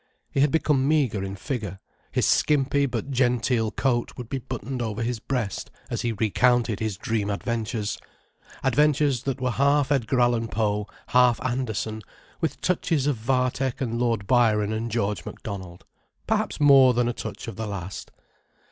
He had become meagre in figure, his skimpy but genteel coat would be buttoned over his breast, as he recounted his dream adventures, adventures that were half Edgar Allan Poe, half Andersen, with touches of Vathek and Lord Byron and George Macdonald: perhaps more than a touch of the last.